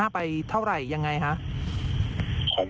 ไปเท่าไรยังไงครับ